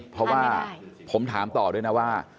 เพราะว่าผมถามต่อด้วยนะว่า